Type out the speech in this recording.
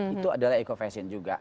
itu adalah eco fashion juga